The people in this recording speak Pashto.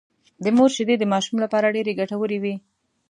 د مور شېدې د ماشوم لپاره ډېرې ګټورې وي